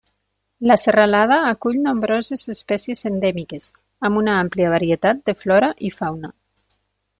La serralada acull nombroses espècies endèmiques, amb una àmplia varietat de flora i fauna.